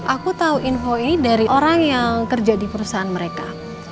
aku tahu info ini dari orang yang kerja di perusahaan mereka